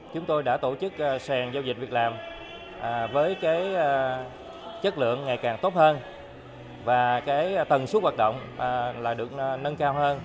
chúng tôi đã tổ chức sàn giao dịch việc làm với chất lượng ngày càng tốt hơn và cái tầng suất hoạt động được nâng cao hơn